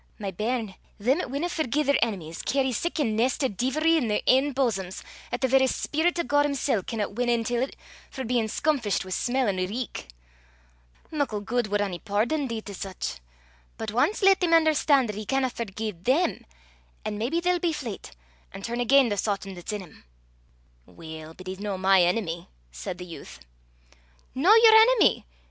My bairn, them 'at winna forgie their enemies, cairries sic a nest o' deevilry i' their ain boasoms, 'at the verra speerit o' God himsel' canna win in till 't for bein' scomfished wi' smell an' reik. Muckle guid wad ony pardon dee to sic! But ance lat them un'erstan' 'at he canna forgie them, an' maybe they'll be fleyt, an' turn again' the Sawtan 'at's i' them." "Weel, but he's no my enemy," said the youth. "No your enemy!"